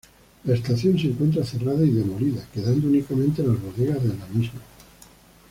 La estación se encuentra cerrada y demolida, quedando únicamente las bodegas de la estación.